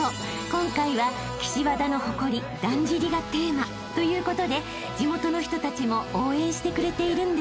今回は岸和田の誇りだんじりがテーマということで地元の人たちも応援してくれているんです］